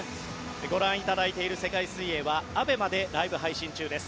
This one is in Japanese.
ご覧いただいている世界水泳はＡＢＥＭＡでライブ配信中です。